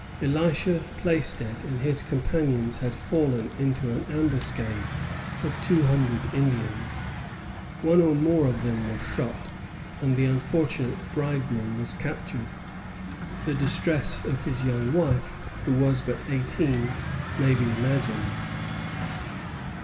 Elisha Plaisted and his companions had fallen into an ambuscade of two hundred Indians. One or more of them were shot, and the unfortunate bridegroom was captured. The distress of his young wife, who was but eighteen, may be imagined.